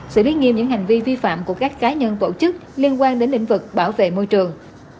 xử lý nghiêm những hành vi vi phạm của các cá nhân tổ chức liên quan đến lĩnh vực bảo vệ môi trường